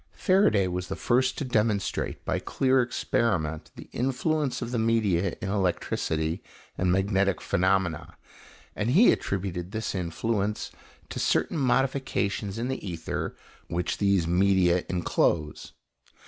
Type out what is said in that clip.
Faraday was the first to demonstrate, by clear experiment, the influence of the media in electricity and magnetic phenomena, and he attributed this influence to certain modifications in the ether which these media enclose.